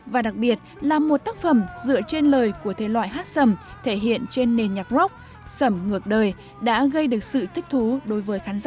và đặc biệt là một tác phẩm dựa trên lời của thế loại hát sầm thể hiện trên nền nhạc rock sầm ngược đời đã gây được sự thích thú đối với khán giả